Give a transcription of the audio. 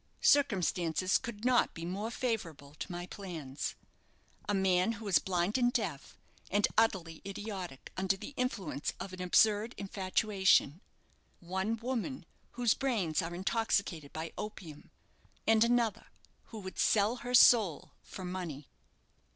"Circumstances could not be more favourable to my plans. A man who is blind and deaf, and utterly idiotic under the influence of an absurd infatuation, one woman whose brains are intoxicated by opium, and another who would sell her soul for money."